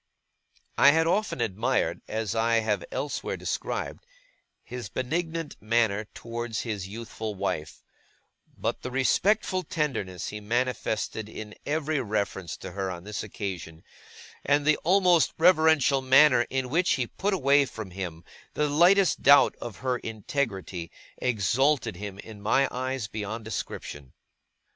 I had often admired, as I have elsewhere described, his benignant manner towards his youthful wife; but the respectful tenderness he manifested in every reference to her on this occasion, and the almost reverential manner in which he put away from him the lightest doubt of her integrity, exalted him, in my eyes, beyond description.